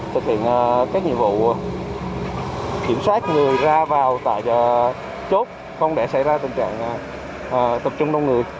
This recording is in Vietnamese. thực hiện các nhiệm vụ kiểm soát người ra vào tại chốt không để xảy ra tình trạng tập trung đông người